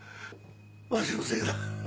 わしのせいだ。